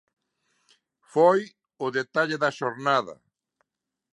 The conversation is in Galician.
Foi o detalle da xornada.